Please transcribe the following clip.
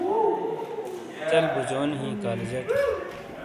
لوشٹئیں چل بوجونی ہِیں کالجٹ